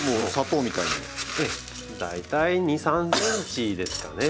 大体２３ｃｍですかね。